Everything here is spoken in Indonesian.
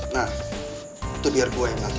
nah itu biar gue yang nanti